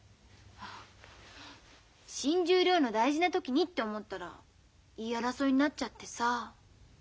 新十両の大事な時にって思ったら言い争いになっちゃってさ。